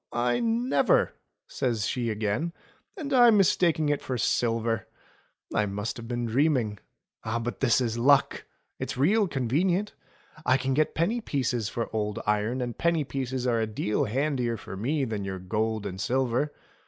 I never!" says she again. And I mistaking it for silver ! I must have been dreaming. But this is luck ! It's real convenient. I can get penny pieces for old iron, and penny pieces are a deal handier for me than your gold and silver.